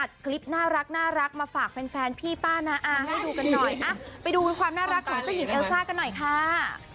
คลิปน่ารักมาฝากแฟนพี่ป้านาอาให้ดูกันหน่อยไปดูความน่ารักของเจ้าหญิงเอลซ่ากันหน่อยค่ะ